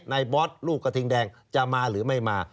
บอสลูกกระทิงแดงจะมาหรือไม่มา